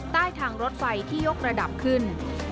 ใต้ทางรถไฟที่ยกระดับขึ้น